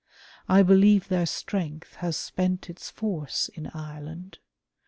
I believe their strength has spent its force in Ireland.